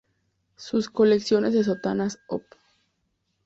Sus colecciones de sonatas Op.